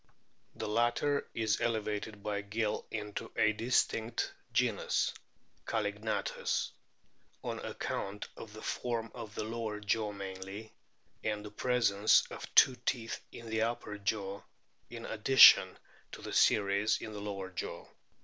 The latter is elevated by Gill into a distinct genus, Callignathus, on account of the form of the lower jaw mainly, and the presence of two teeth in the upper jaw in addi tion to the series in the lower jaw.